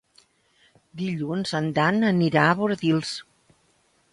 Dilluns en Dan anirà a Bordils.